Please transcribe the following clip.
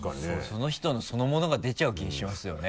その人のそのものが出ちゃう気がしますよね。